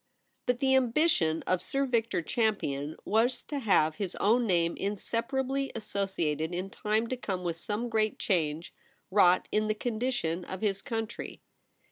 But the ambition of Sir V^ictor Champion was to have his ow^n name inseparably associated in time to come with some great change wrought in the condition of his country.